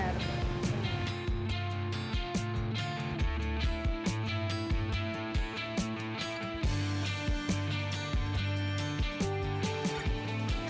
ya bibi jawab apa adanya saja